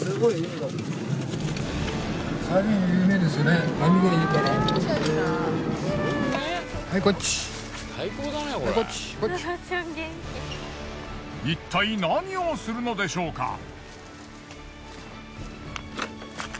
いったい何をするのでしょうか。